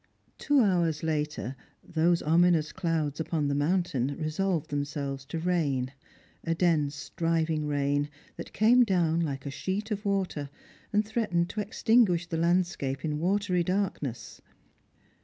Two hours later those ominous clouds upon the mountain resolved themselves to rain, a dense driving rain that came down like a sheet of water, and threatened to extinguish the landscape in watery darkness.